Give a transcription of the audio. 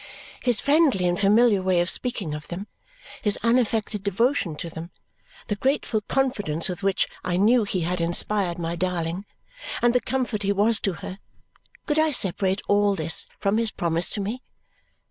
His friendly and familiar way of speaking of them, his unaffected devotion to them, the grateful confidence with which I knew he had inspired my darling, and the comfort he was to her; could I separate all this from his promise to me?